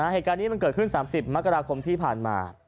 เหตุการณ์นี้มันเกิดขึ้น๓๐มกราคมที่ผ่านมา